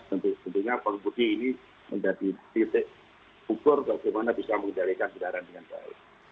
tentunya pengemudi ini menjadi titik ukur bagaimana bisa mengendalikan kendaraan dengan baik